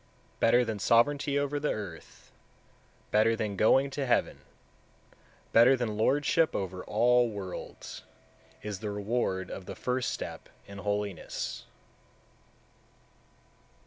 178. Better than sovereignty over the earth, better than going to heaven, better than lordship over all worlds, is the reward of the first step in holiness.